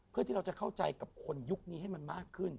เพื่อที่เราจะเข้าใจกับคนยุคนี้ให้มันมากขึ้น